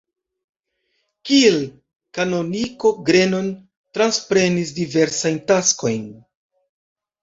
Kiel kanoniko Grenon transprenis diversajn taskojn.